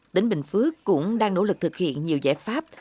tỉnh bình phước cũng đang nỗ lực thực hiện nhiều giải pháp